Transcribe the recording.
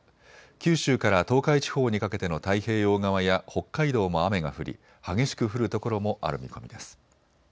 九州から東海地方にかけての太平洋側や北海道も雨が降り激しく降る所もある見込みです。